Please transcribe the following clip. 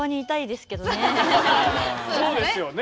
そうですよね。